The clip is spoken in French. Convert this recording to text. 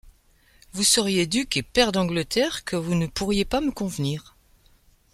Vous seriez duc et pair d’Angleterre, que vous ne pourriez pas me convenir !